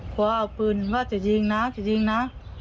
กล้าวมันว่าจะโดดเจอกับมอเซค